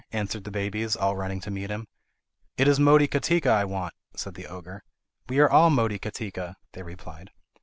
answered the babies, all running to meet him. "It is Motikatika I want," said the ogre. "We are all Motikatika," they replied.